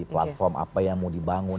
platform apa yang mau dibangun